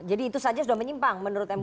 jadi itu saja sudah menyimpang menurut m u